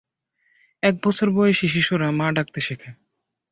এক বছর বয়েসি শিশুরা মা ডাকতে শেখে।